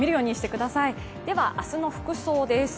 明日の服装です。